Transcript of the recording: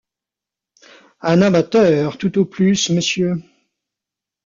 Un amateur, tout au plus, monsieur.